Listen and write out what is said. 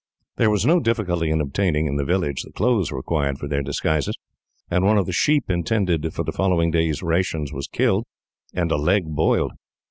There was no difficulty in obtaining, in the village, the clothes required for their disguises; and one of the sheep intended for the following day's rations was killed, and a leg boiled.